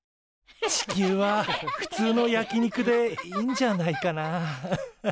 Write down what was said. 地球はふつうの焼き肉でいいんじゃないかなアッハハ。